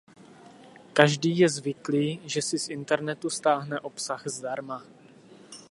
Každý je zvyklý, že si z internetu stáhne obsah zdarma.